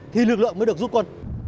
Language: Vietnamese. thì lực lượng mới được giúp quân